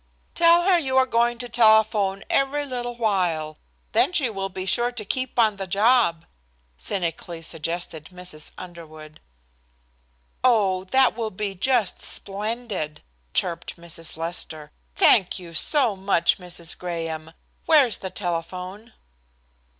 "Tell her you are going to telephone every little while. Then she will be sure to keep on the job," cynically suggested Mrs. Underwood. "Oh, that will be just splendid," chirped Mrs. Lester. "Thank you so much, Mrs. Graham. Where is the telephone?"